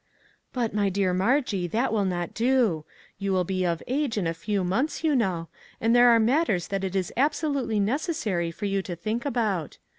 " But, my dear Margie, that will not do ; you will be of age in a few months, you know, and there are matters that it is absolutely necessary for you to think about.